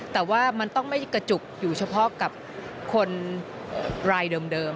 แต่ว่ามันต้องไม่กระจุกอยู่เฉพาะกับคนรายเดิม